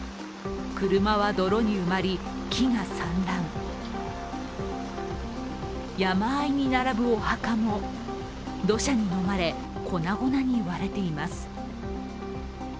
車は泥に埋まり、木が散乱、山あいに並ぶお墓も土砂にのまれ粉々に割れています。